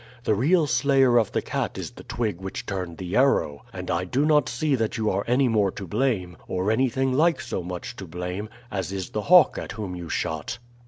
The real slayer of the cat is the twig which turned the arrow, and I do not see that you are any more to blame, or anything like so much to blame, as is the hawk at whom you shot."